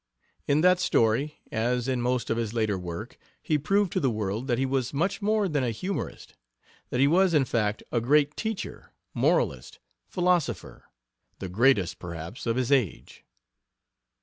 In that story, as in most of his later work, he proved to the world that he was much more than a humorist that he was, in fact, a great teacher, moralist, philosopher the greatest, perhaps, of his age.